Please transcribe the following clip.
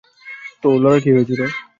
তো লরার কী হয়েছিল?